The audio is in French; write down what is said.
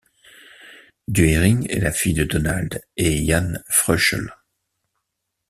Duehring est la fille de Donald et Jan Froeschle.